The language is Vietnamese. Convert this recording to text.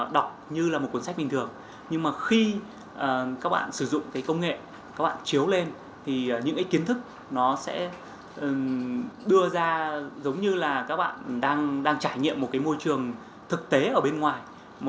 đưa ra giống như là các bạn đang trải nghiệm một môi trường thực tế ở bên ngoài